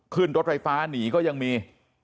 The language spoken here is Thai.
ขึ้นรถไฟฟ้าหนีก็ยังมี